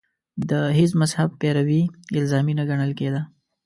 د هېڅ مذهب پیروي الزامي نه ګڼل کېده